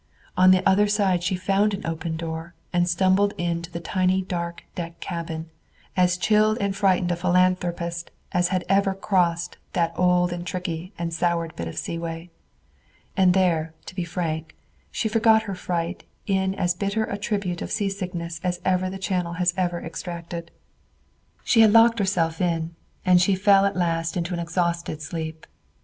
On the other side she found an open door and stumbled into the tiny dark deck cabin, as chilled and frightened a philanthropist as had ever crossed that old and tricky and soured bit of seaway. And there, to be frank, she forgot her fright in as bitter a tribute of seasickness as even the channel has ever exacted. She had locked herself in, and she fell at last into an exhausted sleep.